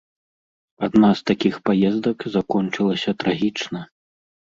Адна з такіх паездак закончылася трагічна.